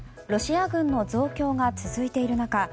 ロシア軍の増強が続いている中